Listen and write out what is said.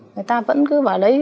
người ta vẫn cứ bảo đấy